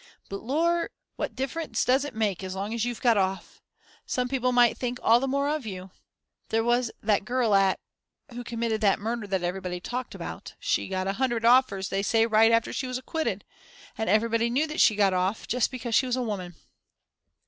But lor' what difference does it make, as long as you've got off? Some people might think all the more of you. There was that girl at who committed that murder that everybody talked about she got a hundred offers, they say, right after she was acquitted. And everybody knew that she got off, just because she was a woman."